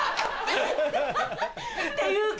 っていうか